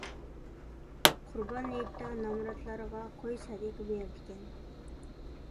قۇربان ھېيتتا نامراتلارغا قوي سەدىقە بېرىدىكەن.